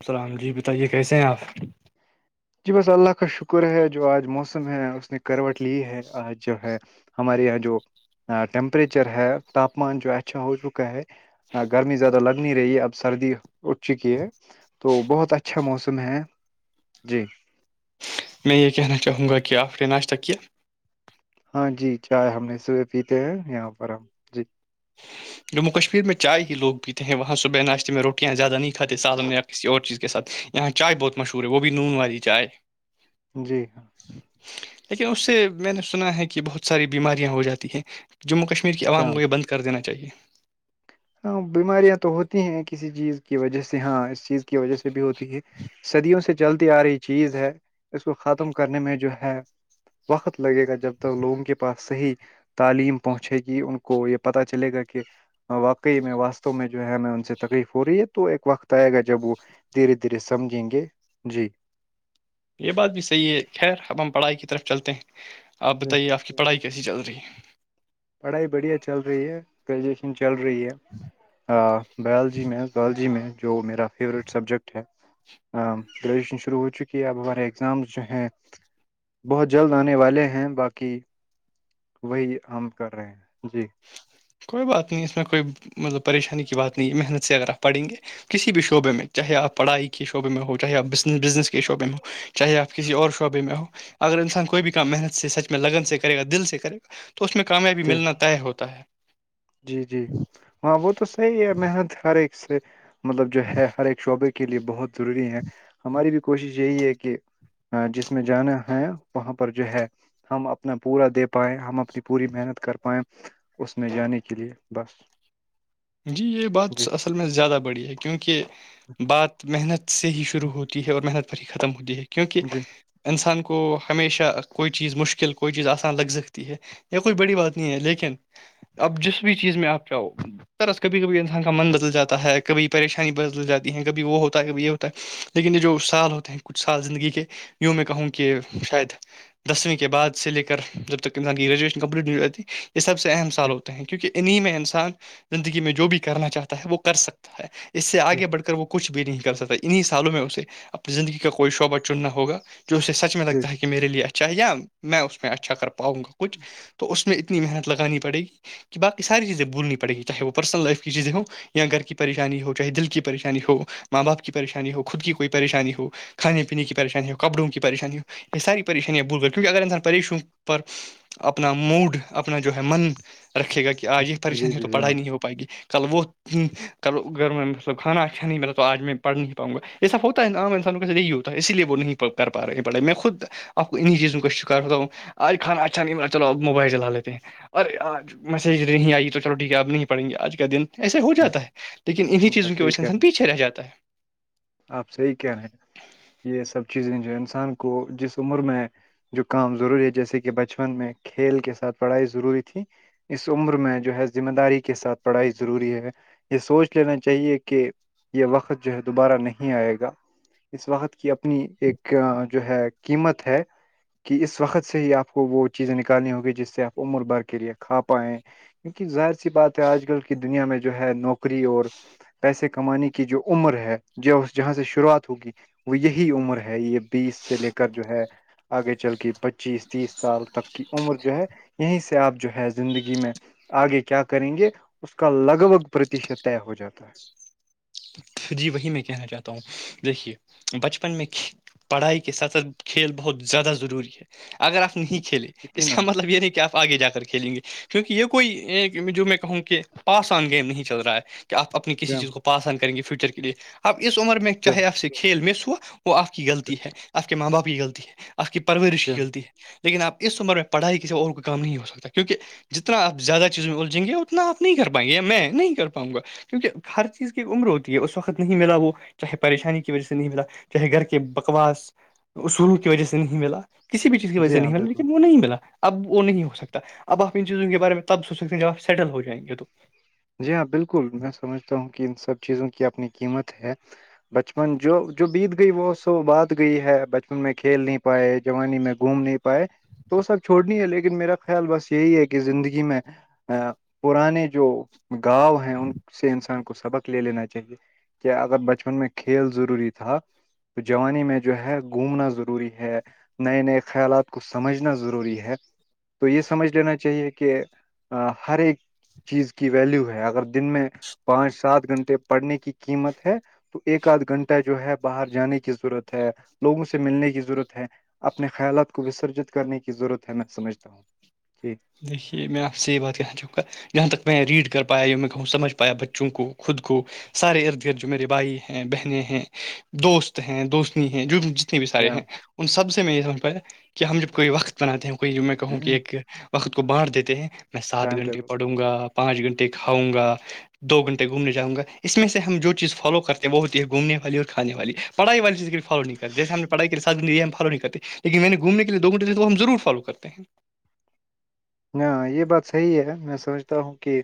السلام جی بتائیے کیسے ہیں آپ جی بس اللہ کا شکر ہے جو آج موسم ہے اس نے کروٹ لی ہے آج جو ہے ہمارے یہاں جو ٹیمپریچر ہے تاپمان جو اچھا ہو چکا ہے ہاں گرمی زیادہ لگ نہیں رہی ہے اب سردی اٹھ چکی ہے تو بہت اچھا موسم ہے جی میں یہ کہنا چاہوں گا کہ آخری ناشتہ کی یہ ہاں جی چائے ہم نے صبح پیتے ہیں یہاں پر ہم جی جموں کشمیر میں چائے ہی لوگ پیتے ہیں وہاں صبح ناشتے میں روٹیاںیادہ نہیں کاتے سالن کسی اور چیز کے ساتھ یہاں چائے بہت مشہور ہے وہ بھی نون والی چائے ہے جی ہاں لیکن اس سے میں نے سنا ہے کہ بہت ساری بیماریاں ہو جاتی ہیں جموں کشمیر کی عوام جام۔ کو یہ بند کر دینا چاہیے ہاں بیماریاں تو ہوتی ہیں کسی چیز کی وجہ سے ہاں اس چیز کی وجہ سے بھی ہوتی ہے صدیوں سے چلتی آ رہی چیز ہے اس کو ختم کرنے میں جو ہے وقت لگے گا جب تک لوگوں کے پاس صحیح تعلیم پہنچے گی ان کو یہ پتہ چلے گا کہ وقت میں واسستو میں جو ہے نا ان سے تکلیف ہو رہی ہے تو ایک وقت آئے گا جب وہ دھیرے دھیرے سمجھیں گے جی یہ بات بھی صحیح ہے خیر اب ہم پڑھائی کی طرف چلتے ہیں آپ جی بتائیے آپ کی پڑھائی کیسی چل رہی ہے پڑھائی بڑھیا چل رہی ہے گریجویشن چل رہی ہے بایلوجی میں باالوجی میں جو میرا فیوریٹ سبجیکٹ ہے گریجویشن شروع ہو چکی ہے اب ہمارے ایگزامز جو ہیں بہت جلد آنے والے ہیں باقی وہی ہم کر رہے ہیں جی کوئی بات نہیں اس میں کوئی مطلب پریشانی کی بات نہیں ہے محنت سے اگر آپ پڑھیں گے کسی بھی شعبے میں چاہے آپ پڑھائی کے شعبے میں ہو چاہے آپس بزنس کے شعبے میں ہو چاہے آپ کسی اور شعبے میں ہو اگر انسان کوئی بھی کہ محنت سے سچ میں لگن سے کرے گا دل سے کرے گا تو اس میں کامیابی چ ملنا طے ہوتا ہے جی جی ہاں وہ تو صحیح ہے محنت ہر ایک سے مطلب جو ہے ہر ایک شعبے کے لیے بہت ضروری ہے ہماری بھی کوشش یہی ہے کہ جس میں جانا ہے وہاں پر جو ہے ہم اپنا پورا دے پائائے ہم اپنی پوری محنت کر پائیں اس میں یعنی کے لیے بس جی یہ جی بات اصل میں زیادہ بڑی ہے کیونکہ بات محنت سے ہی شروع ہوتی ہے اور محنت پر ہی ختم ہوتی ہے کیونکہ جی انسان کو ہمیشہ کوئی چیز مشکل کوئی چیز آسان لگ سکتی ہے یہ کوئی بڑی بات نہیں ہے لیکن اب جس بھی چیز میں آپ چاہو طرح کبھی کبھی انسان کا من بدل جاتا ہے کبھی پریشانی بدل جاتی ہے کبھی وہ ہوتا ہے کبھی یہ ہوتا ہے لیکن یہ جو سال ہوتے ہیں کچھ سال زندگی کے یوں میں کہوں کہ شاید دسویں کے بعد سے لے کر جب تک انسان کی گریجویشن کمپلیٹ نہیں ہو جاتی یہ سب سے اہم سال جی ہوتے ہیں کیونکہ انہیں میں انسان زندگی میں جو بھی کرنا چاہتا ہے وہ کر سکتا ہے اس سے آگے بڑھ کر وہ کچھ بھی نہیں کر سکتا انیں سالوں میں اسے اپنی زندگی کا کوئی شعبہ چننا ہوگا جو اسے سچ میں جی لگتا ہے کہ میرے لیے اچھا ہے یا میں اس میں اچھا کر پاؤں گا کچھ تو اس میں ات محنت لگانی پڑے گ کہ باقی ساری چیزیں بھولنی پڑ گی چاہے وہ پرسنل لائف کی چیزیں ہو یا گھر کی پریشانی ہو چاہے دل کی پریشانی ہو ماں باپ کی پریشانی ہو خود کی کوئی پریشانی ہو کھانے پینے کی پریشانی ہو کپڑوں کی پریشانی ہو یہ ساری پریشانیاں بول کیونکہ اگر انسان پریشوں پر اپنا موڈ اپنا جو ہے من رکھے گا کہ آ یہ جی پریشانی ہے تو جی جی پڑھائی نہیں ہو پائے گی کل وہ و گھر میں مطلب کانا کھا نہیں میرا تو آج میں پڑھ نہیں پاؤ گا یہسا ہوتا ہے عام انسانوں کا ذ یہی ہوتا ہے اس لیے وہ نہیں کر پڑھائی میں خود ا انہ چیزوں کا شکار خ آج کھانا اچھا نہیں ب چلوب موبائل چلا لیتے ہیں اور آج میسج ا نہیں آئی تو چلو کہ آپ نہیں پڑیں گے آج کا دن ایسے ہو جاتا آپ ہے لیکن انہیں جی چیزوں آپ کی صحیح وجہ سے کہہ رہے انسان ہیں پیچھے رہ جاتا ہے آپ صحی کہہ رہے ہیں یہ سب چیزیں جو انسان کو جس عمر میں جو کام ضروری ہے جیسے کہ بچپن میں کھیل کے ساتھ پڑھائی ضروری تھی اس عمر میں جو ہے ذمہ داری کے ساتھ پڑھائی ضروری ہے یہ سوچ لینا چاہیے کہ یہ وقت جو ہے دوبارہ نہیں آئے گا اس وقت کی اپنی ایک جو ہے قیمت ہے کہ اس وقت سے ہی آپ کو وہ چیزیں نکالنی ہوگی جس سے آپ امر بر کے لیے کھا پائیں کین ظاہر سی بات ہے آج کل کی دنیا میں جو ہے نوکری اور پیسے کمانے کی جو عمر ہے ج اس جہاں سے شروعات ہوگی وہ یہی عمر ہے یہ بیس سے لے کر جو ہے آگے چل کے پچیس تیس سال تک کی عمر جو ہے یہیں سے آپ جو ہے زندگی میں آگے کیا کریں گے اس کا لگ بھگ پرتیشت طے ہو جاتا ہے جی وہی میں کہنا چاہتا ہوں دیکھیے بچپن میں پڑھائی کے سطر کھیل بہت زیادہ ضروری ہے اگر آپ نہیں کھیلے اس یقینا کا مطلب یہ نہیں کہ آپ آگے جا کر کھیلیں گے کیونکہ یہ کوئی جو میں کہوں کہ پاس آن گیم نہیں چل رہا ہے آپ اپنی جی کسی ہاں چیز کو پاس آن کریں گے فیوچر کے لیے اپ اس عمر میں جی ہاں چاہے آپ سے کھیل مس ہوا وہ آپ کی غلطی ہے آ کے ماں باپ کی غلطی ہے آ کی پرورش جی ہاں غلطی ہے لیکن آپ اس عمر میں پڑھائی کسی اور کوئی کام نہیں ہو سکتا کیونکہ جتنا آپ زیادہ چیز میں الجھیں گے اتنا آپ نہیں کر پائیں گے میں نہیں کر پاؤ گا کیونکہ ہر چیز کی ایک عمر ہوتی ہے یہ اس وقت نہیں ملا وہ چاہے پریشانی کی وجہ سے نہیں ملا چاہے گھر کے بکواس اصولوں کی وجہ سے نہیں ملا کسی بھی چیز کی وجہ جی سے ہاں نہیں ملا بالکل لیکن وہ نہیں ملا اب وہ نہیں ہو سکتا اب آپ ان چیزوں کے بارے میں تب سوچ سکتے ہیں جب آپ سیٹل ہو جائیں گے تو جی ہاں بالکل میں سمجھتا ہوں کہ ان سب چیزوں کی اپنی قیمت ہے بچپن جو جو بیت گئی وہ سو بات گئی ہے بچپن میں کھیل نہیں پائے جوانی میں گھوم نہیں پائے تو وہ سب چھوڑنی ہے لیکن میرا خیال بس یہی ہے کہ زندگی میں ا پرانے جو گاؤ ہیں ان سے انسان کو سبق لے لینا چاہیے کیا اگر بچپن میں کھیل ضروری تھا تو جوانی میں جو ہے گھومنا ضروری ہے نئے نئے خیالات کو سمجھنا ضروری ہے تو یہ سمجھ لینا چاہیے کہ ہر ایک چیز کی ویلو ہے اگر دن میں پانچ سات گھنٹے پڑھنے کی قیمت ہے تو ایک آدھ گھنٹہ جو ہے باہر جانے کی ضرورت ہے لوگوں سے ملنے کی ضرورت ہے اپنے خیالات کو وسرجت کرنے کی ضرورت ہے میں سمجھتا ہوں جی دیکھیے میں آپ سے یہ بات کہاں چکا جہاں تک میں ریڈ کر پایا یا میں کہوں سمجھ پایا بچوں کو خود کو سارے ارد گرد جو میرے بھائی ہیں بہنیں ہیں دوست ہیں دوستنی ہیں جو بھی سارے ہیں ان سب سے میں یہ سمجتاا کہ ہم جب کوئی وقت بناتے ہیں کوئی میں کہوں کہ ایک وقت کو بانٹ دیتے ہیں میں سات ٹائم گھنٹے ٹیبل پڑوں گا پانچ گھنٹے کھاؤں گا دو گھنٹے گھومنے جاؤ گا اس میں سے ہم جو چیز فالو کرتے ہیں وہ ہوتی گومنے والی اور کھانے والی پڑھائی والی چیز کی فالو نہیں کرتے جیے ہم نے پڑائی کے سات فالو نہیں کرتے لن میں نے گھنے کے لی دو گنے تو ہم ضرور فالو کرتے ہیں ہ یہ بات صحی ہے میں سمجھتا ہوں کہ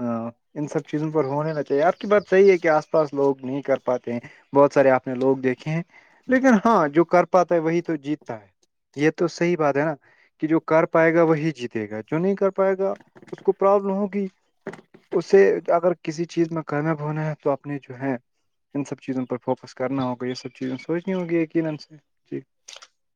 ہاں ان سب چیزوں پر ہونا نہ چاہیے آپ کی بات صحیح ہے کہ آس پاس لوگ نہیں کر پاتے ہیں بہت سارے آپ نے لوگ دیکھے ہیں لیکن ہاں جو کر پاتا ہے وہی تو جیتتا ہے یہ تو صحیح بات ہے نا کہ جو کر پائے گا وہی جیتے د ہے جو نہیں کر پائے گا اس کو پرابلم ہوگی اسے اگر کسی چیز میں کامیاب ہونا ہے تو اپنے جو ہے چیزوں پر فوکس کرنا ہوگا یہ سب چیزیں سوچ نہیں ہوگی یقینا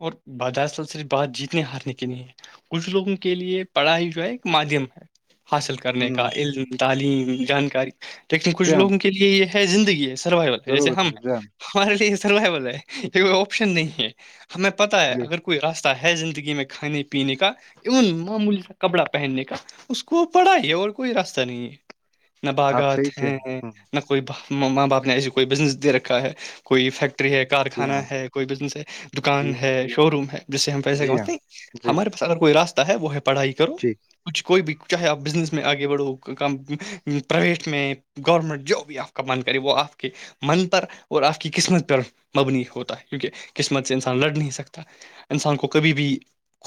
اور بد اصل سےرف بات جیتنے ہارنے کے لیے کچھ لوگوں کے لیے پڑھائی جو ہے ایک مادھیم ہے حاصل کرنے کا ہوں علم تعلیم جانکاری لیکن کچھ جی ہاں لوگوں کے لیے یہ ہے زندگی ہے سروائول ہے جیسے ضرور ہم بتائیں جی ہاں ہمارے لیے یہ سروائبل ہے یہ کوئی آپشن نہیں ہے ہمیں پتا ہے جی اگر کوئی راستہ ہے زندگی میں کھانے پینے کا ایون معمولی کا کپڑا پہننے کا اس کو پڑا ہے اور کوئی راستہ نہیں ہے آپ نباغات صحیح کہہ ہیں رہے ہوں، نہ کوئی ماں باپ نے ایسی کوئی بزنس دے رکھا ہے کوئی فیکٹری ہے جی کارخانا ہاں ہے کوئی بزنس ہے دکان جی ہاں ہے شو روم ہے جس سے ہم پیسے جی ہاں کماتے ہیں جی ہمار س اگر کوئی راستہ ہے وہ ہے پڑھائی کرو جی کچھ کوئی بھی چاہے آپ بزنس میں آگے بڑھو کا پرائیویٹ میں گورمنٹ جاب یا کا من کرے وہ آپ کے من پر اور آپ کی قسمت پر مبنی ہوتا ہے کیونکہ قسمت انسان لڑ نہیں سکتا انسان کو کبھی بھی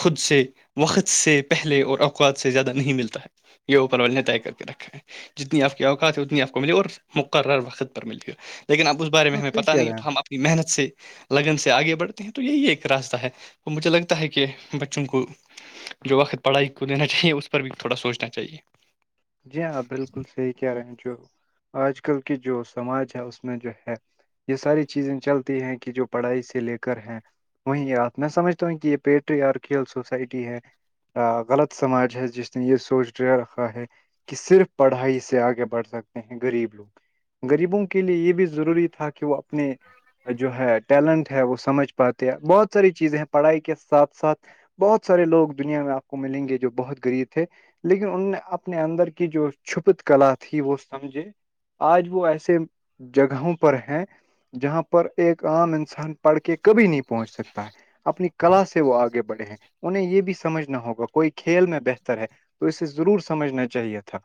خود سے وقت سے پہلے اور اوقات سے زیادہ نہیں ملتا ہے یہوپر والے طے کر کے رکھا ہے جتنی آپ کی اوقات ہے اتنی آپ کو ملی اور مقرر وقت پر مل گ لیکن اب اس بارے میں آپ ہمیں صحیح پت کہہ نہیں رہے ہو ہیں تھا ہم اپنی محنت سے لگن سے آگے بڑھیں ہیں تو یہی ایک راستہ ہے مجھے لگتا ہے کہ بچوں کو جو وقت پڑھائی کو دینا چاہیے اس پر بھی تھوڑا سوچنا چاہیے جی ہاںپ بالکل صحیح کہہ رہے ہیں جو آج کل کی جو سماج ہے اس میں جو ہے یہ ساری چیزیں چلتی ہیں کہ جو پڑھائی سے لے کر ہے وہیں آپ میں سمجھتا ہوں کہ یہ پیٹری آر کھیل سوسائٹی ہے غلط سماج ہے جس نےن یہ سوچ ڈ رکھا ہے کہ صرف پڑھائی سے آگے بڑھ سکتے ہیں غریب لوگ غریبوں کے لیے یہ بھی ضروری تھا کہ وہ اپنے جو ہے ٹیلنٹ ہے وہ سمجھ پاتے ہے بہت ساری چیزیں ہیں پڑھائی کے ساتھ ساتھ بہت سارے لوگ دنیا میں آپ کو ملیں گے جو بہت غریب تھے لیکن ان نے آپ اپنے اندر کی جو چھپت کلا تھی وہ سمجھے آج وہ ایسے جگہوں پر ہیں جہاں پر ایک عام ان انسان پڑھ کے کبھی نہیں پہنچ سکتا ہے اپنی کلا سے وہ آگے بڑھے ہیں انہیں یہ بھی سمجھنا ہوگا کوئی کھیل میں بہتر ہے تو اسے ضرور سمجھنا چاہیے تھا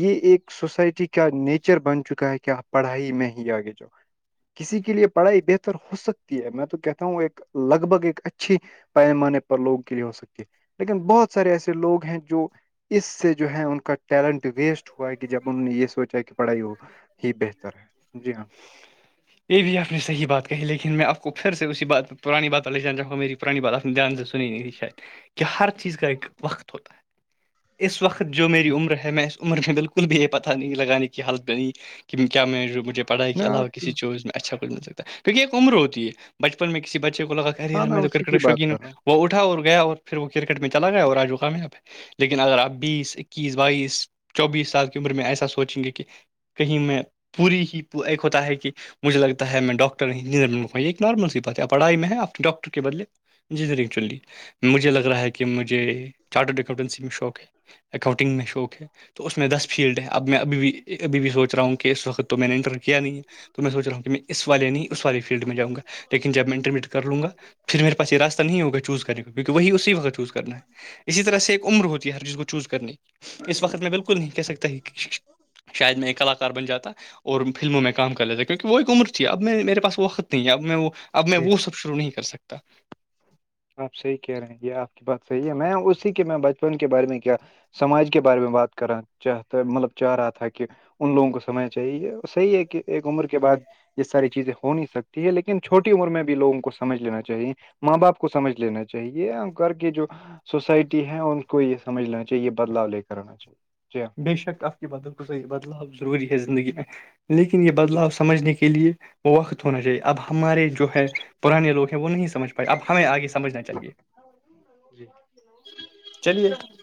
یہ ایک سوسائٹی کا نیچر بن چکا ہے کیاپ پڑھائی میں ہی آگے جاؤ کسی کے لیے پڑھائی بہتر ہو سکتی ہے میں تو کہتا ہوں ایک لگ بھگ ایک اچھی پیمانے پر لوگوں کے لیے ہو سکتی ہے لیکن بہت سارے ایسے لوگ ہیں جو اس سے جو ہیں ان کا ٹیلنٹ ویسٹ ہوا ہے کہ جب انہ نے یہ سوچا کہ پڑھائی ہو ہی بہتر ہے جی ہاں یہ بھی آپ نے صح بات کہی لیکن میں آپ کو پھر سے اسی بات پ پرانی بات وال لے جان چاہوں میری پانی بات دھیان سے سنی نہیں شاید کہ ہر چیز کا ایک وقت ہوتا ہے اس وقت جو میری عمر ہے میں اس عمر میں بالکل بھی یہ پت نہیں لگانے کی حالت بنی کہ کیا میں جو مجھے پڑھائی کے علاوہ کسی میں چوز میں اچھا کچھ مل ستا کیکہ ایک عمر ہوتی ہے بچپن میں کسی بچے کو لگا ہاں یار میں تو اسی کی کرکٹ بات کر رہا ہوں وہ اٹھا اور گیا اور پھر وہ کرکٹ میں چلا گیا اور لیکن اگر آپ بیس اکیس بائیس چوبیس سال کی عمر میں ایسا سوچیں گے کہ کہیں میں پوری ہی ایک ہوتا ہے کہ مجھے لگتا ہے میں ڈاکٹر انجینئرن یہ ایک نارمل سی بات ہے پڑھائی میں ہے اپنے ڈاکٹر کے بدے جی نہیںر ایکچولی مجھے لگ رہا ہے کہ مجھے چارٹڈ اکاؤنٹنسی میں شوق ہے اکاؤنٹنگ میں شوق ہے تو اس میں دس فیلڈ ہے اب میں ابھی بھی ابھی بھی سوچ رہا ہوں کہ اس وقت تو میں نے انٹر نہیں ہے تو میں سوچ رہا ہوں کہ میں اس والے نہیں اس والے فیلڈ میں جؤں گا لیکن جب میں انٹرمیڈیٹ کر لوں گا پھر میرے پا یہ راستہ نہیں ہوگا چوز کرنے کا کیونکہ وہی اسی وقت چوز کرنا ہے اسی طرح سے ایک عمر ہوتی ہر جس کو چوز کرنے اس وقت میں بالکل نہیں کہہ سکتا شاید میں ایک کلاکار بن جاتا اور فلموں میں کام کر لیتے کیونکہ وہ ایک عمر تھی اب میں میرے پاس وقت نہیں ہے اب میں وہ اب میں جی وہ سب شرو نہیں کر سکتا آپ صحیح کہہ رہے ہیں یہ آپ کی بات صحیح ہے میں اسی کے میں بچپن کے بارے میں کیا سماج کے بارے میں بات کرا چاہتا مطلب چاہ رہا تھا کہ ان لوگوں کو سمجھنا چاہیے صحیح ہے کہ ایک عمر کے بعد یہ ساری چیزیں ہو نہیں سکتی ہے لیکن چھوٹی عمر میں بھی لوگوں کو سمجھ لینا چاہیے ماں باپ کو کو سمجھ لینا چاہیے کر کے جو سوسائٹی ہے ان کو یہ سمجھنا چاہیے یہ بدلاؤ لے کر آنا چاہیے جی ہاں بے شک آپ کی بدل گز یہ بدلاؤ ضروری ہے زندگی میں لیکن یہ جی بدلاؤ سمجھنے کے لیے وہ وقت ہونا چاہیے اب ہمارے جو ہے پرانے لوگ ہیں وہ نہیں سجھ پائی اب ہمیں آگے سمجھنا چاہیے جی چلیے